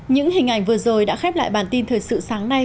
những hình ảnh vừa rồi đã khép lại bản tin thời sự sáng nay